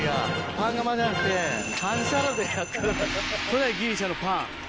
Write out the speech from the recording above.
パン窯じゃなくて反射炉で焼く古代ギリシャのパン。